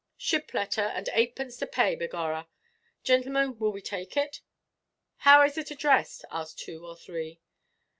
"Ship–letther, and eightpence to pay, begorra. Gintlemen, will we take it?" "How is it addressed?" asked two or three.